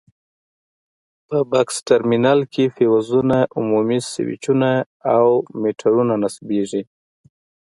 په بکس ترمینل کې فیوزونه، عمومي سویچونه او میټرونه نصبېږي.